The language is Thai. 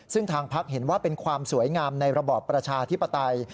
ซึ่งทางพักเห็นว่าเป็นความสวยงามในระบอบประชาธิปไตย